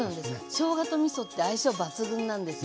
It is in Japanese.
しょうがとみそって相性抜群なんですね。